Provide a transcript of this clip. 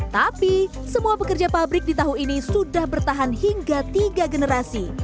tapi semua pekerja pabrik di tahu ini sudah bertahan hingga tiga generasi